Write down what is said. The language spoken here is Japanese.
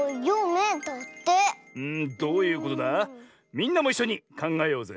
みんなもいっしょにかんがえようぜ。